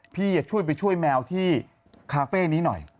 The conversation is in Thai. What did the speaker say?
พี่ช่วยไปช่วยแมวที่คาเฟ่นี้หน่อย